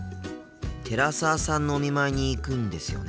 寺澤さんのお見舞いに行くんですよね？